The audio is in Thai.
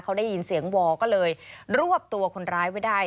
เขาได้ยินเสียงวอก็เลยรวบตัวคนร้ายไว้ได้